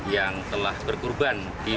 yang telah berkorban di